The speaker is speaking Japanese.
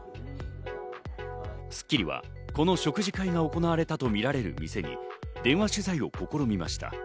『スッキリ』はこの食事会が行われたとみられる店に電話取材を試みました。